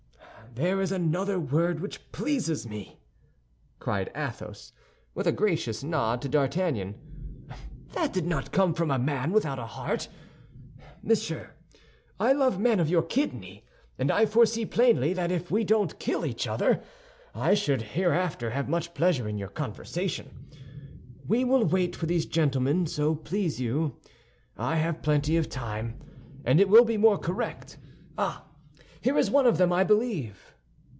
"There is another word which pleases me," cried Athos, with a gracious nod to D'Artagnan. "That did not come from a man without a heart. Monsieur, I love men of your kidney; and I foresee plainly that if we don't kill each other, I shall hereafter have much pleasure in your conversation. We will wait for these gentlemen, so please you; I have plenty of time, and it will be more correct. Ah, here is one of them, I believe."